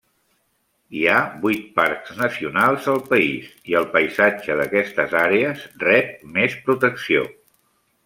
Hi ha vuit parcs nacionals al país, i el paisatge d'aquestes àrees rep més protecció.